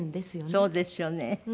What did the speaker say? そうですよね。